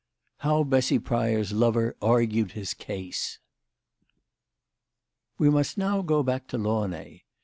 HOW BESSY PRYOR'S LOVER ARGUED HIS CASE. must now go back to Launay.